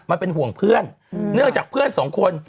มันเป็นห่วงเพื่อนเนื่องจากเพื่อนสองคน